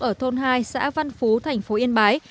ở thôn hai xã văn phú thành phố yên bái